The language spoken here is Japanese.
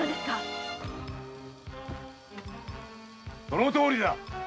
そのとおりだ。